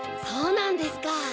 そうなんですか。